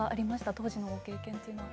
当時のご経験というのは。